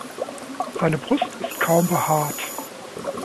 Seine Brust ist kaum behaart.